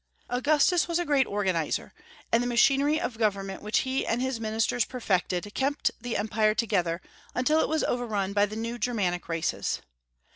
Augustus was a great organizer, and the machinery of government which he and his ministers perfected kept the empire together until it was overrun by the New Germanic races.